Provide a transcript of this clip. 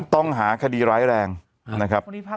ต้องหาคดีร้ายแรงนะครับ